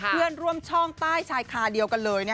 เพื่อนร่วมช่องใต้ชายคาเดียวกันเลย